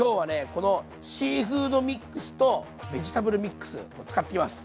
このシーフードミックスとベジタブルミックスを使っていきます。